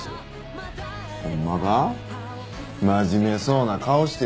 真面目そうな顔して実は。